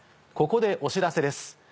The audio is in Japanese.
ここでお知らせです。